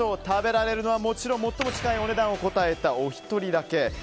食べられるのは最も近いお値段を答えたお一人だけ。